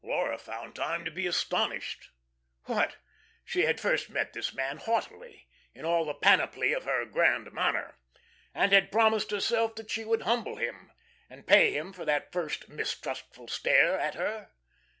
Laura found time to be astonished. What! She had first met this man haughtily, in all the panoply of her "grand manner," and had promised herself that she would humble him, and pay him for that first mistrustful stare at her.